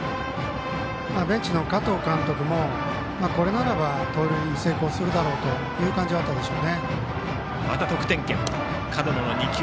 ベンチの加藤監督もこれならば盗塁成功するだろうという感じはあったでしょう。